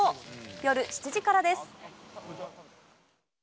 夜７時からです。